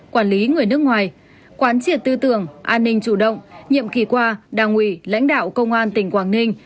quản lý người nước ngoài quán triệt tư tưởng an ninh chủ động nhiệm kỳ qua đảng ủy lãnh đạo công an tỉnh quảng ninh